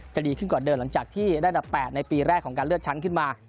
ดีขึ้นกว่าเดิมหลังจากที่ได้อันดับ๘ในปีแรกของการเลือกชั้นขึ้นมา